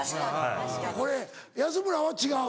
これ安村は違う？